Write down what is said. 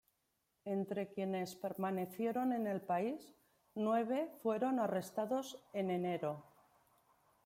Entre quienes permanecieron en el país, nueve fueron arrestados en enero.